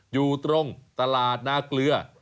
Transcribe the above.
อยู่ตรงตลาดนาเกลือ